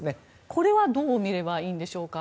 これはどう見ればいいんでしょうか？